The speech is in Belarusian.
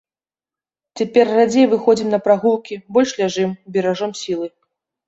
Цяпер радзей выходзім на прагулкі, больш ляжым, беражом сілы.